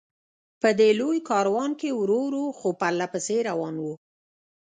په دې لوی کاروان کې ورو ورو، خو پرله پسې روان و.